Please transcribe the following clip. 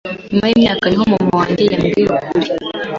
Nyuma yimyaka niho mama yambwiye ukuri.